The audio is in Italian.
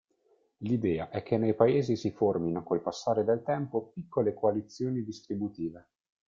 L'idea è che nei paesi si formino col passare del tempo piccole coalizioni distributive.